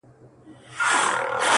په نازونو په نخرو به ورپسې سو؛